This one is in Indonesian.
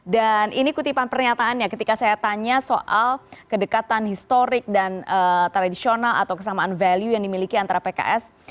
dan ini kutipan pernyataannya ketika saya tanya soal kedekatan historik dan tradisional atau kesamaan value yang dimiliki antara pks